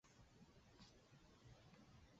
玫红野青茅为禾本科野青茅属下的一个种。